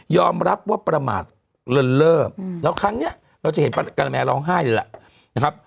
ยอมรับว่าประมาทเลิศแล้วครั้งเงี้ยเราจะเห็นการแมร์ร้องไห้ดีล่ะ